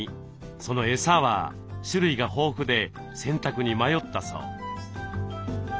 そのエサは種類が豊富で選択に迷ったそう。